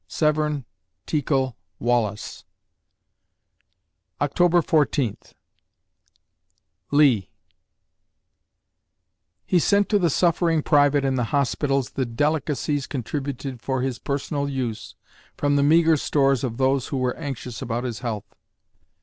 SEVERN TEACKLE WALLIS October Fourteenth LEE He sent to the suffering private in the hospitals the delicacies contributed for his personal use from the meagre stores of those who were anxious about his health.